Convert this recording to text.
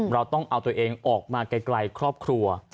เราต้องเอาตัวเองออกมาไกลครอบครัว